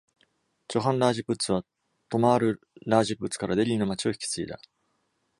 チョハン・ラージプッツは、トマール・ラージプッツからデリーの街を引き継いだ。